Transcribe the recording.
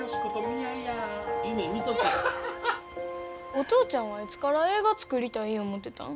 お父ちゃんはいつから映画作りたい思うてたん？